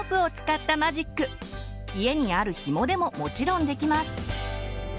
家にあるひもでももちろんできます。